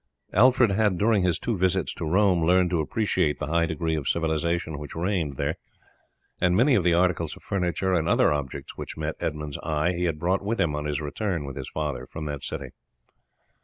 Alfred had, during his two visits to Rome, learned to appreciate the high degree of civilization which reigned there, and many of the articles of furniture and other objects which met Edmund's eye he had brought with him on his return with his father from that city.